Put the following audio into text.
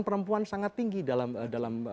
perempuan sangat tinggi dalam